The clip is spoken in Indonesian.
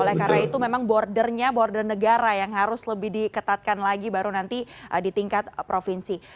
oleh karena itu memang bordernya border negara yang harus lebih diketatkan lagi baru nanti di tingkat provinsi